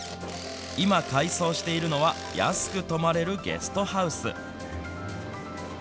今、改装しているのは、安く泊まれるゲストハウス。